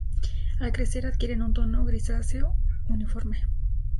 Al crecer adquieren un tono grisáceo uniforme.